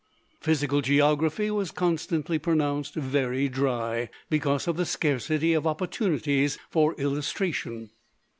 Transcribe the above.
Physical Geography was constantly pronounced "very dry," because of the scarcity of opportunities for illustration.